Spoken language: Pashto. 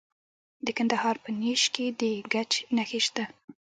د کندهار په نیش کې د ګچ نښې شته.